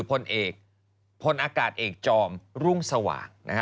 พลอากาศเอกจอมรุ่งสว่าง